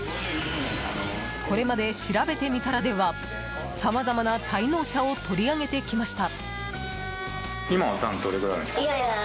これまでしらべてみたらではさまざまな滞納者を取り上げてきました。